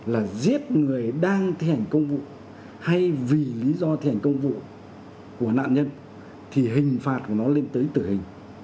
là giết người đang thi hành công vụ hay vì lý do thi hành công vụ của nạn nhân thì hình phạt của nó lên tới tử hình